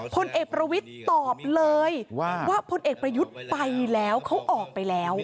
พลเอกประวิทย์ตอบเลยว่าพลเอกประยุทธ์ไปแล้วเขาออกไปแล้ว